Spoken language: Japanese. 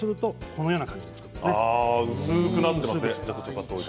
薄くなってますね。